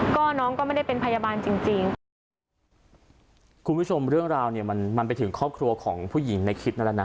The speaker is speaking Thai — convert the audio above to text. ก็น้องก็ไม่ได้เป็นพยาบาลจริงจริงคุณผู้ชมเรื่องราวเนี้ยมันมันไปถึงครอบครัวของผู้หญิงในคลิปนั้นแล้วนะ